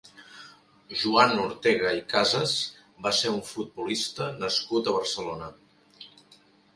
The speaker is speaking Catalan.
Joan Ortega i Casas va ser un futbolista nascut a Barcelona.